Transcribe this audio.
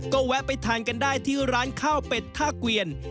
ก็แวะไปทานกันได้ที่ร้านข้าวเป็ดท่าเกวียน